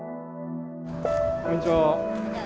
こんにちは。